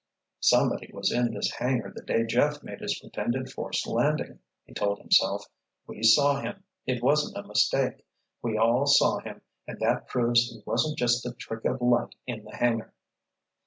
"Somebody was in this hangar the day Jeff made his pretended forced landing," he told himself. "We saw him. It wasn't a mistake. We all saw him and that proves he wasn't just a trick of light in the hangar."